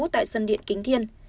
tại sân điện kính thiên